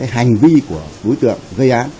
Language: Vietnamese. hành vi của đối tượng gây án